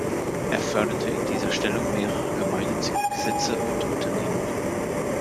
Er förderte in dieser Stellung mehrere gemeinnützige Gesetze und Unternehmungen.